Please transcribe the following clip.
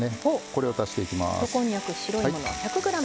これを足していきます。